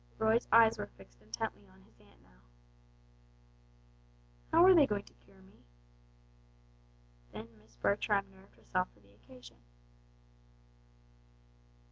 Roy's eyes were fixed intently on his aunt now. "How are they going to cure me?" Then Miss Bertram nerved herself for the occasion.